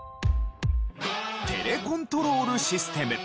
テレコントロールシステム。